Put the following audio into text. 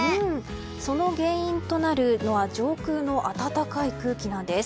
その原因となるのは上空の暖かい空気なんです。